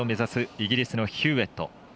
イギリスのヒューウェット。